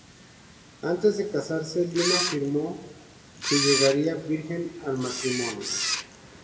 Antes de casarse, Lima afirmó que llegaría virgen al matrimonio.